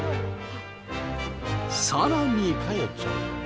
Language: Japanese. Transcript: さらに。